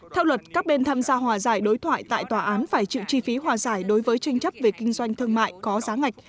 theo luật các bên tham gia hòa giải đối thoại tại tòa án phải chịu chi phí hòa giải đối với tranh chấp về kinh doanh thương mại có giá ngạch